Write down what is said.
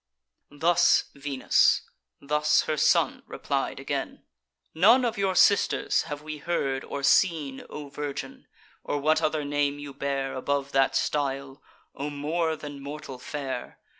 Thus Venus: thus her son replied again: "None of your sisters have we heard or seen, O virgin! or what other name you bear Above that style; O more than mortal fair!